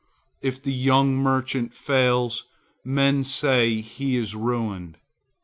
If the young merchant fails, men say he is ruined.